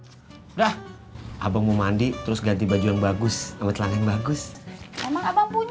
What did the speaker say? iya aku punya baju bagus aku mau mandi terus ganti baju yang bagus sama celana yang bagus emang abang punya